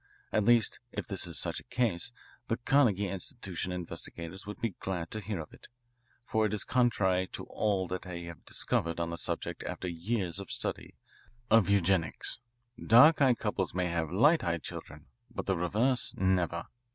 At least, if this is such a case, the Carnegie Institution investigators would be glad to hear of it, for it is contrary to all that they have discovered on the subject after years of study of eugenics. Dark eyed couples may have light eyed children, but the reverse, never.